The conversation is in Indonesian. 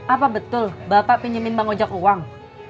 apa betul bapak pinjemin bank ojek uang